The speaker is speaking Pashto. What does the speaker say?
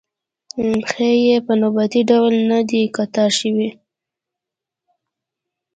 پېښې په نوبتي ډول نه دي قطار شوې.